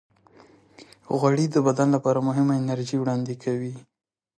غوړې د بدن لپاره مهمه انرژي وړاندې کوي.